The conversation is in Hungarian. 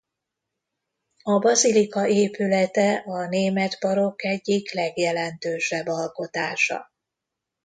A bazilika épülete a német barokk egyik legjelentősebb alkotása.